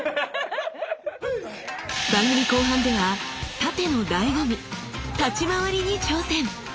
番組後半では殺陣のだいご味「立ち廻り」に挑戦！